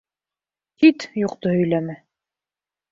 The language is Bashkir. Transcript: — Кит, юҡты һөйләмә!